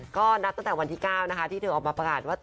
ก็นับตั้งแต่วันที่๙นะคะที่เธอออกมาประกาศว่า